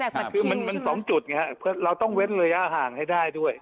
แจกบัตรคิวใช่ไหมครับคือมัน๒จุดไงครับเราต้องเว้นระยะห่างให้ได้ด้วย